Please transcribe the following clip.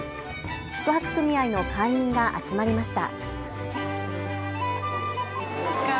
宿泊組合の会員が集まりました。